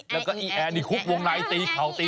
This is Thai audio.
แล้วก็คุกวงในตีเข่า